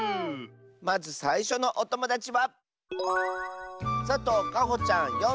まずさいしょのおともだちはかほちゃんの。